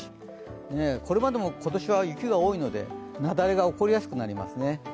これまでも今年は雪が多いので雪崩が起こりやすくなりますね。